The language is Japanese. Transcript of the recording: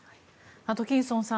アトキンソンさん